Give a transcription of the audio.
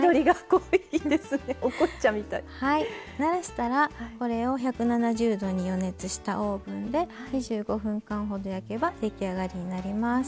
ならしたらこれを１７０℃に予熱したオーブンで２５分間ほど焼けば出来上がりになります。